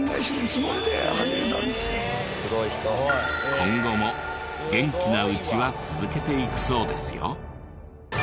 今後も元気なうちは続けていくそうですよ。